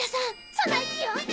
その意気よ。